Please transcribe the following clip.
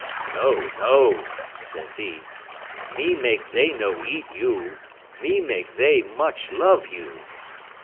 "No, no," says he, "me make they no eat you; me make they much love you."